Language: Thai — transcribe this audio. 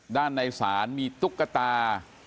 ด้านในศาลมีตุ๊กตา